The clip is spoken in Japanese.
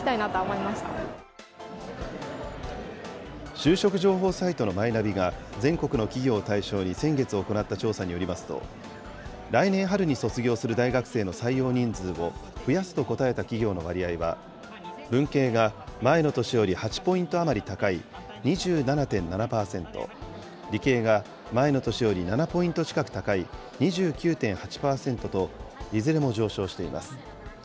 就職情報サイトのマイナビが、全国の企業を対象に先月行った調査によりますと、来年春に卒業する大学生の採用人数を増やすと答えた企業の割合は、文系が前の年より８ポイント余り高い２７．７％、理系が前の年より７ポイント近く高い２９．８％と、いずれも上昇しています。